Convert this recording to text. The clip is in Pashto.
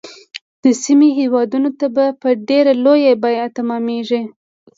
د سیمې هیوادونو ته به په ډیره لویه بیعه تمامیږي.